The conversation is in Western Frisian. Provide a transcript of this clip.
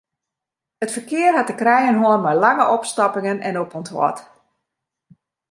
It ferkear hat te krijen hân mei lange opstoppingen en opûnthâld.